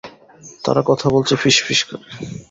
তারা কথা বলছে ফিসফিস করে।